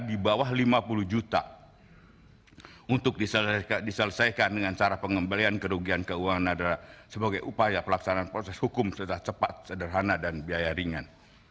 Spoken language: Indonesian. di bawah lima puluh juta untuk diselesaikan dengan cara pengembalian kerugian keuangan adalah sebagai upaya pelaksanaan proses hukum secara cepat sederhana dan biaya ringan